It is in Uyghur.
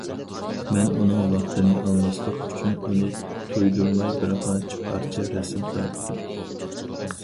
مەن ئۇنىڭ ۋاقتىنى ئالماسلىق ئۈچۈن ئۇنى تۇيدۇرماي بىرقانچە پارچە رەسىم تارتتىم.